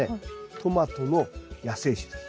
トマトの野生種です。